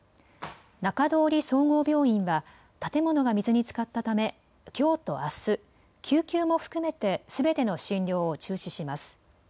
中通総合病院は建物が水につかったため、きょうとあす救急も含めてすべての診療を中止します。